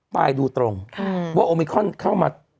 ปลายดูตรงว่าโอมิคอนเข้ามา